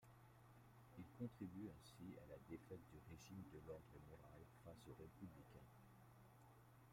Il contribue ainsi à la défaite du régime de l'ordre moral face aux républicains.